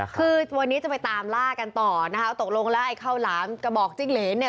คือวันนี้จะไปตามล่ากันต่อนะคะตกลงแล้วไอ้ข้าวหลามกระบอกจิ้งเหรนเนี่ย